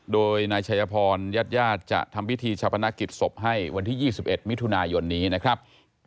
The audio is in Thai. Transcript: โดยนายชัยพรญาติญาติจะทำพิธีชาปนกิจศพให้วันที่๒๑มิถุนายนนี้นะครับ